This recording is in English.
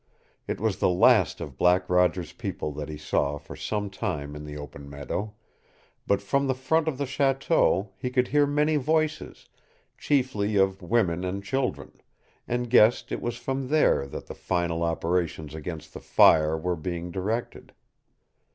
It was the last of Black Roger's people that he saw for some time in the open meadow, but from the front of the chateau he could hear many voices, chiefly of women and children, and guessed it was from there that the final operations against the fire were being directed.